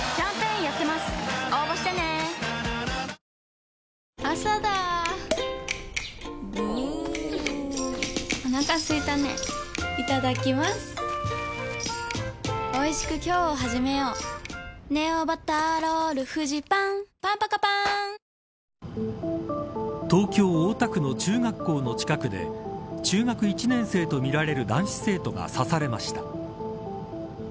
アレクセイさん、ユリアさんそして東京、大田区の中学校の近くで中学１年生とみられる男子生徒が刺されました。